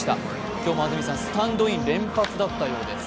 今日もスタンドイン連発だったようです。